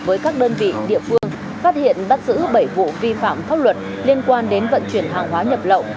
với các đơn vị địa phương phát hiện bắt giữ bảy vụ vi phạm pháp luật liên quan đến vận chuyển hàng hóa nhập lậu